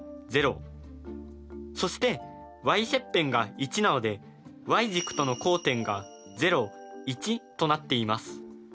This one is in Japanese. そしてｙ切片が１なのでｙ軸との交点がとなっています。